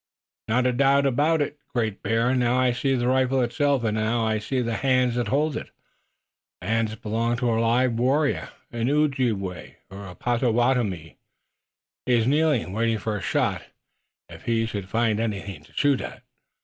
"Not a doubt of it, Great Bear. Now, I see the rifle itself! And now I see the hands that hold it. The hands belong to a live warrior, an Ojibway, or a Pottowattomie. He is kneeling, waiting for a shot, if he should find anything to shoot at."